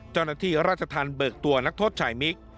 เจ้าหน้าที่ราชธรรมเบิกตัวนักโทษชายมิก